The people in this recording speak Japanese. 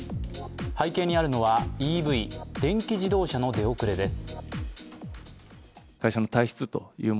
背景にあるのはＥＶ＝電気自動車の出遅れです。